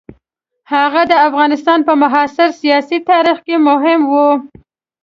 هغه د افغانستان په معاصر سیاسي تاریخ کې مهم وو.